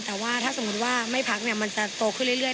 แต่ว่าถ้าสมมุติว่าไม่พักมันจะโตขึ้นเรื่อย